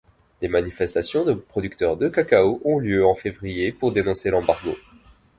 Des manifestations de producteurs de cacao ont lieu en février pour dénoncer l'embargo.